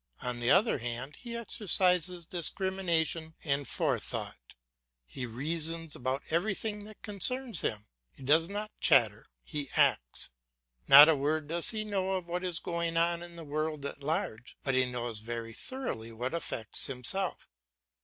On the other hand, he exercises discrimination and forethought, he reasons about everything that concerns himself. He does not chatter, he acts. Not a word does he know of what is going on in the world at large, but he knows very thoroughly what affects himself.